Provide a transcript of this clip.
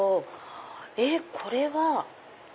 えっこれは。